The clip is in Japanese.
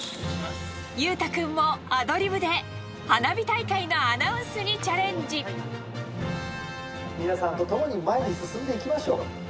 裕太君もアドリブで、花火大皆さんと共に前に進んでいきましょう。